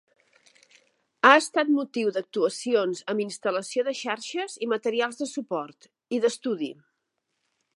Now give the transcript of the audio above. Ha estat motiu d'actuacions amb instal·lació de xarxes i materials de suport, i d'estudi.